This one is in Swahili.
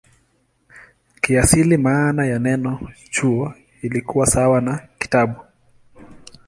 Kiasili maana ya neno "chuo" ilikuwa sawa na "kitabu".